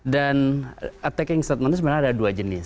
dan attacking statement itu sebenarnya ada dua jenis